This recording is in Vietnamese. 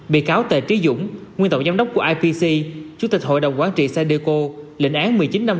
bị cáo tề trí dũng nguyên tổng giám đốc của ipc chủ tịch hội đồng quản trị san diego lệnh án một mươi chín năm